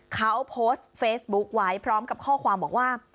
เขาโพสต์เฟซบุ๊คไว้พร้อมกับข้อความบอกว่า